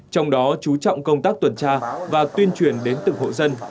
trong đó chú trọng công tác tuần tra và tuyên truyền đến từng hộ dân